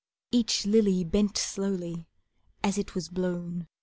Each lily bent slowly as it was blown.